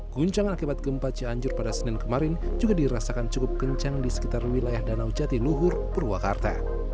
guncangan akibat gempa cianjur pada senin kemarin juga dirasakan cukup kencang di sekitar wilayah danau jatiluhur purwakarta